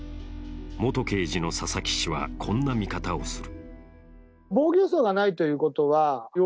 元刑事の佐々木氏はこんな見方をする。